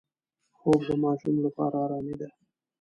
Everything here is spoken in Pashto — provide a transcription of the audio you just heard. خوب د ماشوم لپاره آرامي ده